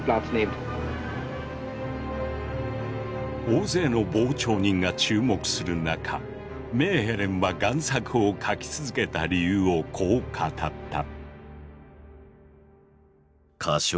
大勢の傍聴人が注目する中メーヘレンは贋作を描きつづけた理由をこう語った。